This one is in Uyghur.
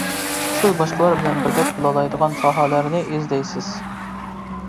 سىز باشقىلار بىلەن بىردەك بولالايدىغان ساھەلەرنى ئىزدەيسىز.